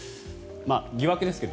疑惑ですが。